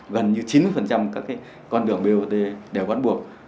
gần như chín mươi các cái con đường bot đều quản buộc